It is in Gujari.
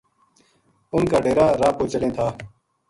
اِن کا ڈیرا راہ پو چلیں تھا